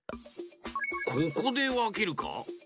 ここでわけるか？